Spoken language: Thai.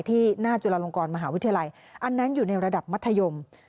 ที่หน้าจุฬลงกรมหาวิทยาลัยอันนั้นอยู่ในระดับมัธยม